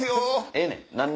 ええねん！